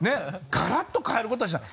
ガラッと変えることはしない。